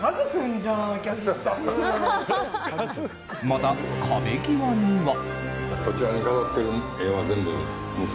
また、壁際には。